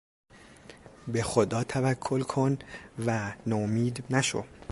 به خدا توکل کن ونومید نشو!